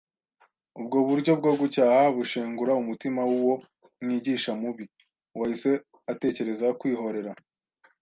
Ubwo buryo bwo gucyaha bushengura umutima w'uwo mwigishwa mubi; wahise atekereza kwihorera